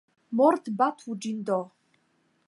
Mortbatu ĝin do!